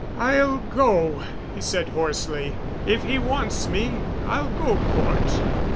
"I'll go," he said hoarsely. "If he wants me, I'll go, Cort.